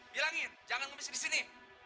bilangin jangan ngemis di sini